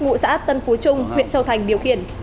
ngụ xã tân phú trung huyện châu thành điều khiển